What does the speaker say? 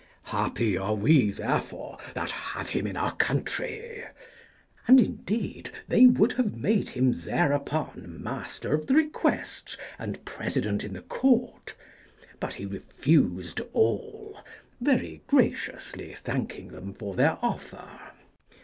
Happy are we, therefore, that have him in our country. And indeed they would have made him thereupon master of the requests and president in the court; but he refused all, very graciously thanking them for their offer.